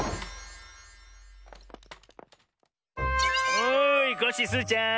おいコッシースイちゃん